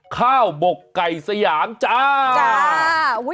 ข้าวบกไก่สยามจ้า